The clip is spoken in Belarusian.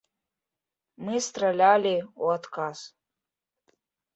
Мы стралялі ў адказ!